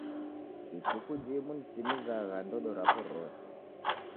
Ituku jimu nitimizagha ndodo rapo rose.